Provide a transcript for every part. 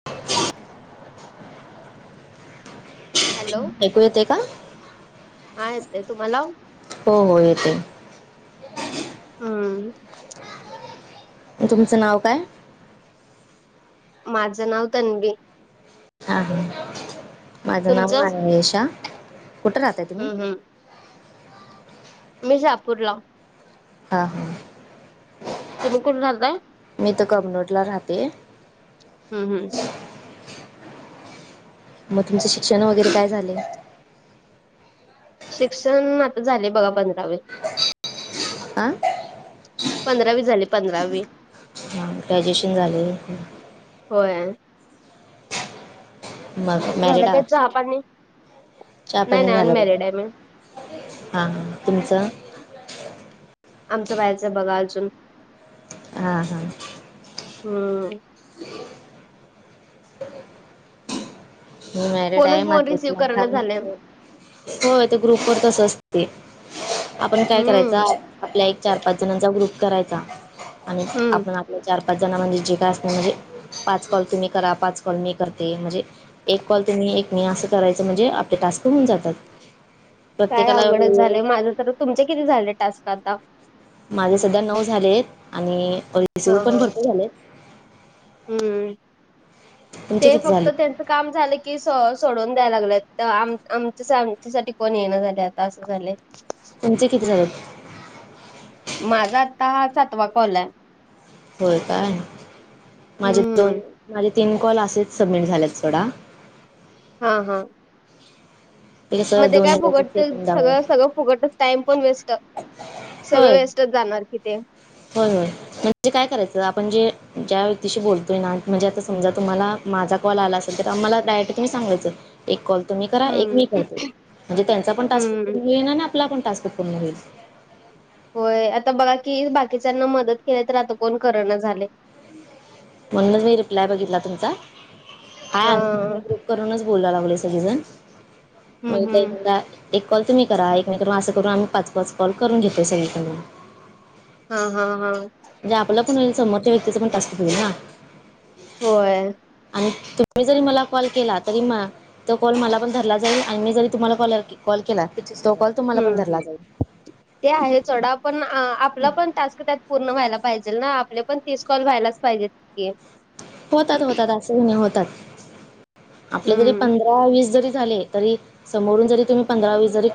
[unintelligible] Hello ऐकू येते का हा येतयं तुम्हाला? हो, येतंय. हम्म. तुमचं नाव काय? माझं नाव तन्वी. ह माझं नाव तुमचं आहे महांवेशा, कुठं राहताय तुम्ही? हम्म हम्म मी शहापूरला हां हां. तुम्ही कुठ राहताय? मी इथ कमनोरला राहते हम्म हम्म. मग तुमचं शिक्षण वगैरे काय झालंय? शिक्षण आता झाले बघा पंधरावी. आं. पंधरावी झाली पंधरावी हां ग्रॅज्युएशन झालंय होय. मग झालं मॅरिड आहात चहा काय? पाणी चहा नाही पानी नाही झालं बघा. अनमॅरिड आहे मी हा, तुमचं? आमच बाहेचा बघा अजून. हां, हा. हम्म. ह माॅरेड कोणच फोन माझा एक रिसीव्ह करणा लाहन झालंय मुलं आहे. हो ते ग्रुप व तस असते आपण काय करायचं हम्म आपल्या एक चार पाच जणांचा ग्रुप करायचा आणि हम्म आपण आ पल्या चार पाच जणा म्हणजे जे काय असणं म्हणजे पाच कॉल तुम्ही करा, पाच कॉल मी करते म्हणजे एक कॉल तुमी एक मी असं करायचं, म्हणजे आपले टास्क होऊन जातात. काय प्रत्येकाला आवघडच झालंय माझं तर, तुमचे किती झाले टास्क आता? माझे सध्या नऊ झालेत आणि अ हा ह हम्म तुमचे ते किती फक्त झाले त्यांचं काम झालं की सो सोडून द्याय लागल्यात, तर आम आमच्या आमच्यासाठी कोण येईना झाल्यात. टास्क झाले. तुमचे किती झालेत? माझा आता हा सातवा कॉल हाय. व्हय काय? माझे दोन हम्म माझे तीन कॉल असेच सबमिट झालेत सो. हा हा. ते कसं मध्ये दोन काय हजारच फुकट ते सेकंदावर सगळं सगळं फुकट टाइम पण वेस्ट. सगळं होय वेस्टच जाणार किते. होय होय. म्हणजे काय करायचं? आपण जे ज्या व्यक्तीशी बोलतोय ना, म्हणजे आता समजा तुम्हाला माझा कॉल आला असेल तर, आम्हाला डायरेक्ट तुम्ही सांगायच, एक कॉल तुम्ही करा एक हम्म मी करतो म्हणजे त्यांचा पण टास्क हम्म पूर्ण होईल आणि आपला पण टास्क पूर्ण होईल. होय आता बघा की, बाकीच्यांना मदत केली तर आता कोण करना झालय. म्हणूनच मी रिप्लाय बघितला तुमचा, हा हाय आमचा एक ग्रुप करूनच बोलाय लागलोय सगळेजण, मग हम्म तर हम्म एकदा एक कॉल तुम्ही करा एक मि असं करून, आम्ही पाच पाच कॉल करून घेतोय सगळीकडन हा हा हा. म्हणजे आपल पण होईल, समोरच्या व्यक्तींच पण टास्क होईल ना. होय. आणि तुम्ही जरी मला कॉल केला तरी, मा तो कॉल मला पण धरला जाईल आणि मी जरी तुम्हाला कॉल कॉल केला तो कॉल तुम्हाला पण हम्म. धरला जाईल ते आहे सोडा, पण आपला पण टास्क त्यात पूर्ण व्हायला पाहिजेल ना, आपले पण तीस कॉल व्हायलाच पाहिजेत. की होतात होतात असे काय नाही होतात, आपले जरी हम्म पंधरा दहा वीस जरी झाले तरी. समोरून जरी तुम्ही पंधरा, वीस जरी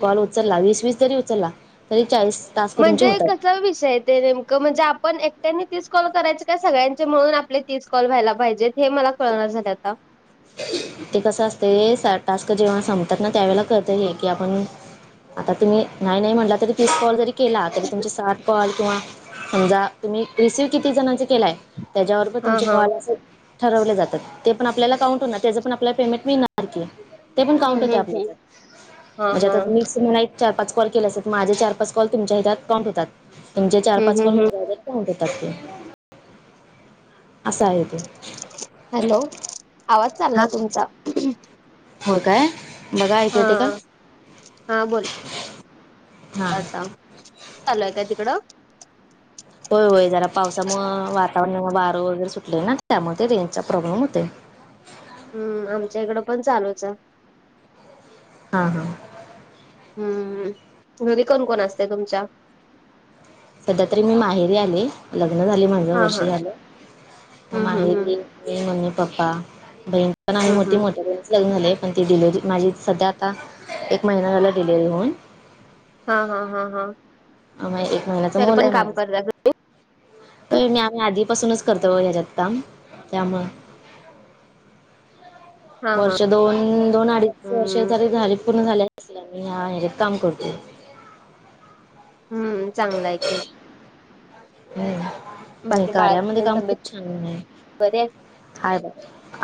कॉल उचलला, वीस- वीस जरी उचलला तरी चाळीस. टास्क तुमचे म्हणजे होतात कसं? कसा विषय हाय ते? नेमकं म्हणजे आपण एकट्यानी तीस कॉल करायच काय? सगळ्यांचे मिळून आपले तीस कॉल व्हायला पाहिजेत. हे मला कळणा झालय आता ते कसं आसतंय, टास्क जेव्हा संपतात ना त्यावेळेला, कळतय हे की आपण आता तुम्ही नाही नाही म्हटला तरी, तीस कॉल जरी केला तरी तुमची सात कॉल किंवा समजा तुम्ही रिसीव्ह किती जणांच केलाय? त्याच्यावर पणं हा तुमची हा कॉल असेल. ठरवले जातात. ते पण आपल्याला काउंट होणार, त्याचं पण आपला पेमेंट मिळणार की ते पण काउंट हम्म होतय हम्म हम्म आपल्याकड, हा म्हणजे हा आता तुम्ही कसं म्ह चार पाच कॉल केले असतात. माझे चार पाच कॉल तुमच्या हेच्यात काउंट होतात. तुमचे चार हम्म पाच हम्म कॉल हम्म माझ्या हेच्यात हो देतात ते, आस हाये ते हॅलो. आवाज चाललाय तुमचा होय काय? बघा ऐकू हा येतय का. हां नाही थांब. चालूय हाय काय तिकडं? होय होय, जरा पावसामुळे वातावरणा वारं वगैरे सुटलय ना, त्यामुळ रेंजचा प्रॉब्लेम होतोय. हम्म आमच्या इकडं पण चालूच हाय. हा हा. हम्म. घरी कोण कोण असतय तुमच्या? सध्या तरी मी माहेरी आली, लग्न झाले म्हणजं हा वर्ष हा झालं. हम्म हम्म हम्म माहेरी मी मम्मी - पप्पा, बहीण पण आहे हम्म मोठी, हम्म मोठया लग्न झालेय. पण ती डिलिव्हरी माझी सध्या आता. एक महिना झाला डिलेव्हरी होऊन. हा, हा, हा, हा. म एक महिन्याच तरी पण मुले काम मला. करता तर मी आम्ही आधीपासूनच करतो बघ. ह्याच्यात काम. त्यामूळ. हा हा वर्ष दोन दोन अडीच वर्ष हम्म जरी झाली पूर्ण झाले, असतील मी ह्याच्यात काम करतो. हम्म चांगलाय की. हम्म. [unintelligible] बाकी बाळाची तेन तब्येत बरे हाये बा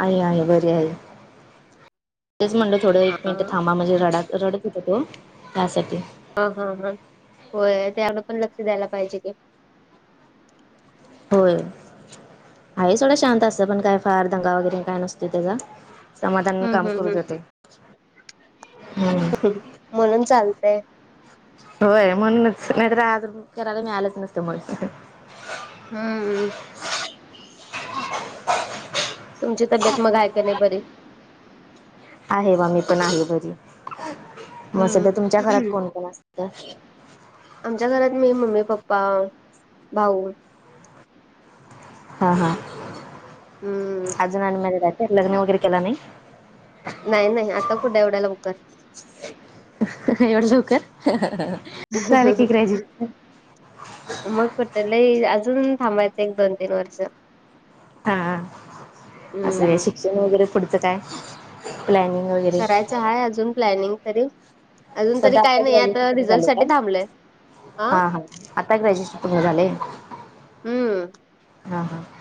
आहे आहे बरी आहे, तेच म्हणलं थोडं हा एक हा मिनट थांबा म्हणजे, रड रडत होता तो त्यासाठी. हा, हा, हा. होय त्याकढ पण लक्ष द्यायला पाहिजे की. होय. आहे सोडा शांत असतय, काय फार दंगा वगैरे काय नसतो त्याचा. समाधान हम्म काम करू हम्म देतेय. हम्म. म्हणून चालतय. होय म्हणूनच. नाहीतर आज फिरायला मिळालंच नसतं मग. हम्मम. तुमची तब्येत मग आहे का नाही बरी. आहे बा मी पण आहे बरी. मग हम्म सध्या तुमच्या घरात कोण कोण असत. आमच्या घरात. मी, मम्मी, पप्पा, भाऊ. ह, ह. हम्म अजून अन मॅरीड आहेत. लग्न वगैरे केला नाही. नाही नाही. आता कुठे एवढ्याला लवकर. एवढ लवकर. झाले की ग्रॅज्युएशन. मग कुठ लई. जून थांबायचं एक दोन तीन वर्ष. हा असं हम्म शिक्षण वगैरे पुढचं काय, प्लॅनिंग वगैरे. आहे अजून प्लनिंग तरी. अजून तरी सध्या काय आता नाही ग्रॅज्युएशन पूर्ण रिझल्ट झालेय साठी काय? थांबलंय हा हा आता ग्रॅज्युएशन पूर्ण झालेय. हम्म.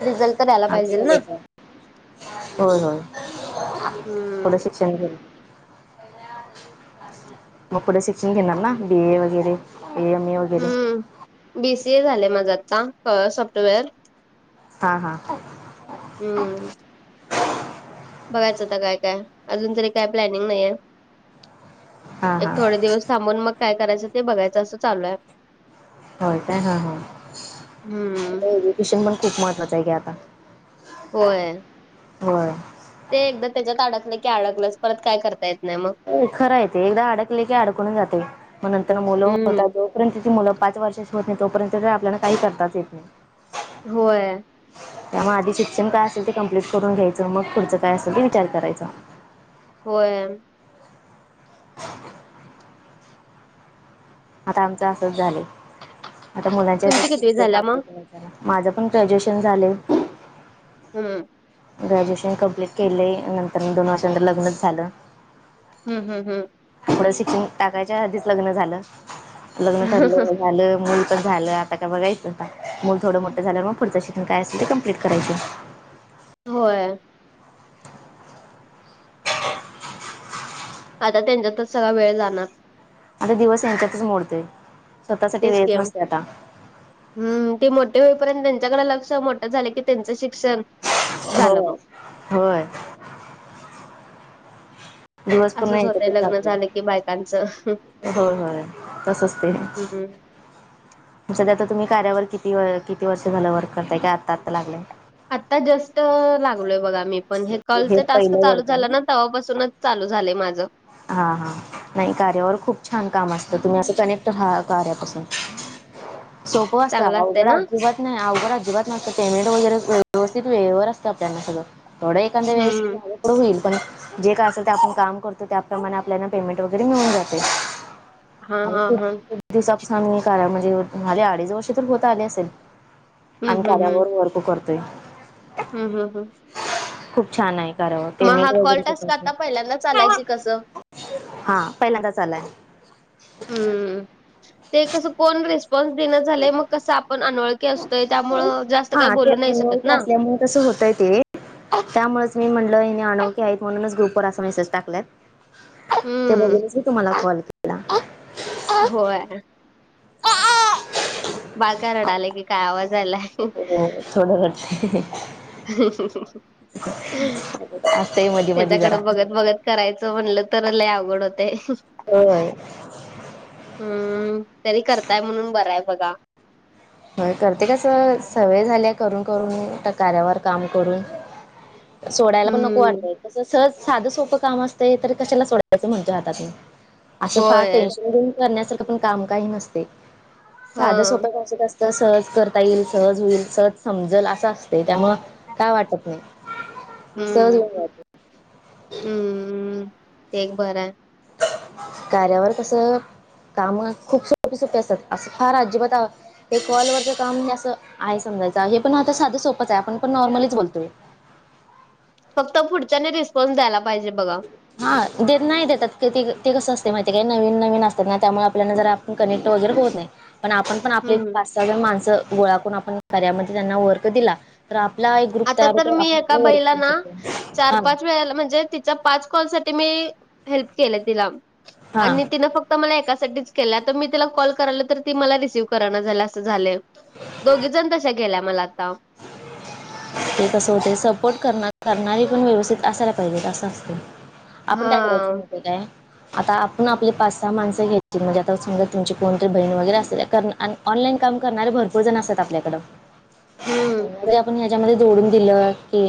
रिझल्ट तर द्यायला आमचं पाहिजेल ना. होय! होय! हम्म पुढ शिक्षण घेण मग पुढे शिक्षण घेणार नां. बी. ए वगैरे. एम. ए. वगैरे. बी सी ए झालंय माझा आत्ता. पं सॉफ्टवेअर. हां हां. हम्म. बघायचं आता काय काय, अजून तरी काय प्लॅनिंग नाहीये, हा एक हा थोडे दिवस. थांबून मग काय करायं ते बघायचं. असं चालूये. होय काय? ह ह. हम्म आता एजुकेशन पण खूप महत्वाचं आहे की आता. होय. होय. ते एकदा त्याच्यात अडकलं की, अडकलंच परत काय करतायेत. खरंय ते. एकदा अडकले की अडकून जाते, मग नंतर मुलं होतात. हम्म जो पर्यंत त मुलं पाच वर्षाची होत नाही, तोपर्यंत आपल्याला काही करताच येत नाही. होय. त्यामुळे आधी शिक्षण काय असेल, ते कम्प्लीट करून घ्यायचं. मग पुढचं काय असेल ते विचार करायचा. होय. ह [unintelligible] आता आमचं असंच झालंय, आता मुलांच्या तुमची कितवी शिक्षण झाल्या मग आपूर्णय. माझं पण ग्रॅज्युएशन झालंय. हम्म. ग्रॅज्युएशन कम्प्लीट केलेयं. नंतर दोनवर्षां नंतर लग्नच झालं. हम्म हम्म हम्म. पुढ शिक्षण टाकायच्या आधीच लग्न झालं. लग्न ठरलं झालं, मुल पण झालं आता बघाचं आता मुल थोडं मोठं झाल्यावर मग पुढचं शिक्षण काय असल ते कंप्लीट करायचं. होय- आता त्यांच्यातच सगळा वेळ जाणार. आता दिवस ह्यांच्यात मोडतेय स्वतःसाठी वेळेच नसतोयं आता. हुं ते मोठे होईपर्यंत त्यांच्याकडं लक्ष मोठं झालं की त्यांचं शिक्षण झालं होंय मग होंय- दिवस पूर्ण असंच होतय लग्न झालं की बायकांच. होयं होयं तसच ते- म सध्या आता तुम्ही कार्यावर किती व किती वर्ष झालं वर्क करताय की आत्ता, आत्ता लागलंय? आता जस्ट लागलोय बघा मी. म्हणजे हे काॅलचे टास्क पहिलं चालू वर्क आहे ना. झालान तव्हापासूनच चालू झालय माझ. हा, हा नाही कार्यावर खूप छान काम असतं तुम्ही असं कनेक्ट व्हा कार्यापासून. सोपं असतं. चांगलं असतंय अवघड ना अजिबात नाही अवघड अजिबात नसतं पेमेंट वगैरे व्यवस्थित वेळेवर असतं आपल्यानां सगळं. थोडं एकादां वेळेस हम्म माग- पुढ होईल पण जे काय असेल ते आपण काम करतो त्याप्रमाणे आपल्यानां पेमेंट वगैरे मिळून जातेयं. हा [unintelligible] हा खूप हा दिवसांपासून आम्ही कर्या म्हणजे झाले अडीच वर्ष तर होतं आले असेल. हम्म आम्ही हम्म हम्म कार्यावर वर्क करतोय. हम्म, हम्म, हम्म. खूप छान हाय कर्यावर मग पेमेंट हा कॉल वगैरेच टास्क कसं? आता पहिल्यांदाच आलाय की कसं हा पहिल्यांदाच आलाय. हां ते कसं कोण रिस्पॉन्स दियीना झालय मग कसं आपण अनोळ- हां ते शकत अनोळखी ना असल्यामुळे तस होतंय ते- त्यामुळेच मी म्हणलं हिने आनोळखी आहेत म्हणूनच ग्रुपवर असा मेसेज टाकल्यात. ते हम्म बघूनच मी तुम्हालां कॉल केला होय. बाळं का रडालय की काय आवाज आला? होय थोड [unintelligible] [unintelligible] असतंय मधी मधी जरा त्याच्याकडे बघत, बघत करायचं म्हणलं तर लाय अवघड होतय. हो.. हम्म, तरी करतायं म्हणून बराय बघा. होयं खर ते कसं सवय झाल्या करून, करून आता कार्यावर काम करून- सोडायला पण नको हम्म वाटतय तस सहज साधं सोपं काम असतयं तर कशाला सोडायचं म्हणतोयं हातातुनं- असं फार होय टेन्शन घेऊन करण्यासारखं पण काम काही नसतयं हा साध्या सोप्या भाषेत असतय तर सहज करता येईल, सहज होईल सहज समजलं आस अ त्यामुळं काय वाटत नायी सहज हम्म होऊन जात. हम्म, ते एक बराय. कार्यावर कस काम खूप सोपी, सोपी असत्यातं असं फार अजिबात आ ते कॉलवरचं काम हे असं आहे समजायचं हे पण आता साध सोपच हाय आपण पण नॉर्मलीच बोलतोय. फक्त पुढच्यानी रिस्पॉन्स द्यायलां पाहिजे बघा. हा देत नाही देतात क ते ते कसं असते माहितीय काय नवीन, नवीन असतात ना त्यामुळे आपल्याला जरा कनेक्ट वगैरे होत नाही पण आपण आपले हम्म. पाच, सहा जण माणस गोळाखून आपण कार्यामध्ये त्यांना वर्क दिला तर आपला एक ग्रुप आता तयार तर होतो मी आपण एका आपला बाईला वर्क करू ना शकतो चार, हा पाच वेळाला म्हणजे पाच कॉल साठी मी हेल्प केले तिला हां आणि तिन फक्त मला एकासाठीच केला तर मी तिला कॉल कराल तर ती मला रिसीव्ह करान झाली असं झालंय. दोघी जण तशा केल्या मला आता. ते कसं होते सपोर्ट करणारी पण व्यवस्थित असायला पाहिजेत असं असते. आपण हा काय करायचं माहिती काय? आता आपण आपली पाच सहा माणसं घ्यायची म्हणजे आता समजा तुमची कोणतरी बहीण वगैरे असेल करनं आणि ऑनलाईन काम करणारे भरपूर जण असतात आपल्याकडे. ह जर आपण ह्याच्यामध्ये जोडून दिलं की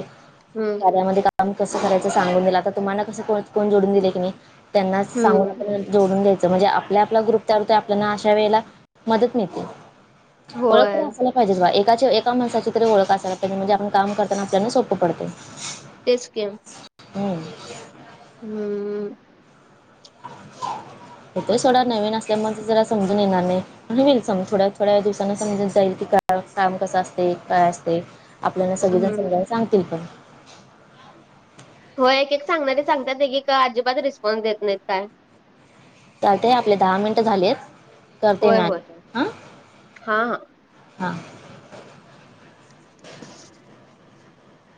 हम्म. यामध्ये काम कसं करायचं सांगून दिलं आता तुम्हाला कसं कोण जोडून दिले की नी त्यांना सांगुन हम्म आपण ही जोडून द्यायचं म्हणजे आपल्या आपला ग्रुप तरूत आपल्याला अशा वेळेला मदत मिळते. ओळख तरी होय असायला पाहिजे बा एकाचे एका माणसाची तरी ओळख अस तर आपण म्हणजे आपण काम करताना आपल्याला सोपं पडते. तेच केेम हम्म. हम्म येथे थोडा नवीन असल्यामुळे ते जरा समजून येणार नाही. आणि होईल स मग थोड्या थोड्या दिवसांना समजत जाईल की काय काम कसं असते काय असते. आपल्याला सगळेजण हम्म. समजायला सांगतील पण. हो एक-एक सांगणारे सांगतात एकी का अजिबात रिस्पॉन्स देत नाहीत काय. टाय टाय आपले दहा मिनट झालेत करते होय मी होय [inaudible] हां. हा हा. हा